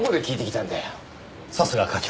さすが課長。